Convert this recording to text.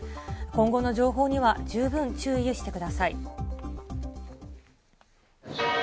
今後の情報には十分注意してください。